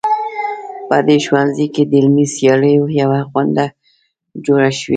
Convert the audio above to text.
په دې ښوونځي کې د علمي سیالیو یوه غونډه جوړه شوې